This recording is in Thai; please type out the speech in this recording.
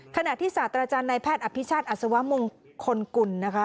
ขณะที่ศาสตราจารย์นายแพทย์อภิชาติอัศวมงคลกุลนะคะ